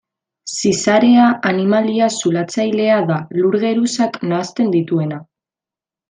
Zizarea animalia zulatzailea da, lur-geruzak nahasten dituena.